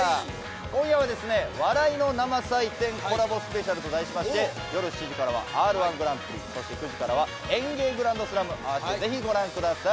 今夜は笑いの生祭典コラボＳＰと題しまして夜７時からは「Ｒ−１グランプリ」そして９時からは「ＥＮＧＥＩグランドスラム」ぜひ、ご覧ください。